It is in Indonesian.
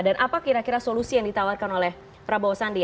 apa kira kira solusi yang ditawarkan oleh prabowo sandi